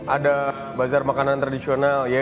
ada bazar makanan tradisional iya kan